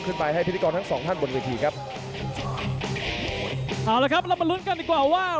ไปให้พิธีกรทั้งสองท่านบนเวทีครับเอาละครับเรามาลุ้นกันดีกว่าว่า